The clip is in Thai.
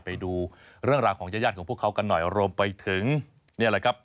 ไปดูเรื่องราวของญาติของพวกเขากันหน่อยรวมไปถึงนี่แหละครับ